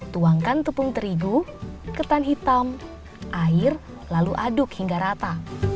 tuangkan tepung terigu ketan hitam air lalu aduk hingga rata